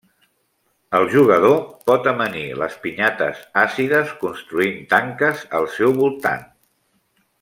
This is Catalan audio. El jugador pot amanir les pinyates àcides construint tanques al seu voltant.